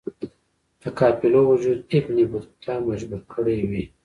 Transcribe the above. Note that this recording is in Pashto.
د قافلو وجود ابن بطوطه مجبور کړی وی.